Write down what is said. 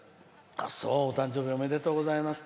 誕生日おめでとうございます。